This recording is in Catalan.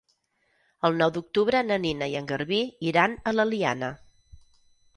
El nou d'octubre na Nina i en Garbí iran a l'Eliana.